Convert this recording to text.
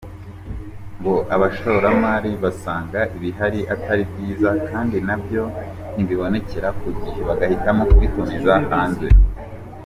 Ngo abashoramari basangaga ibihari atari byiza kandi nabyo ntibibonekere ku gihe bagahitamo kubitumiza hanze.